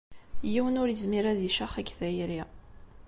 Yiwen ur yezmir ad icax deg tayri.